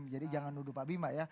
jadi jangan nuduh pak bima ya